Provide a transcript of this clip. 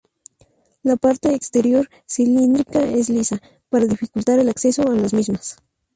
La parte exterior cilíndrica es lisa, para dificultar el acceso a las mismas.